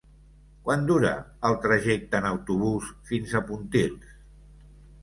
Quant dura el trajecte en autobús fins a Pontils?